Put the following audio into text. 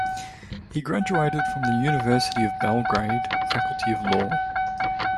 He graduated from the University of Belgrade Faculty of Law.